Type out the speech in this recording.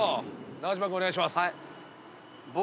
中島君お願いします。